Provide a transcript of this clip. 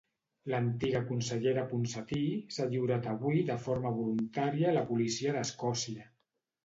L'antiga consellera Ponsatí s'ha lliurat avui de forma voluntària a la policia d'Escòcia.